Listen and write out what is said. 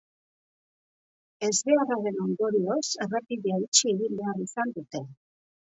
Ezbeharraren ondorioz errepidea itxi egin behar izan dute.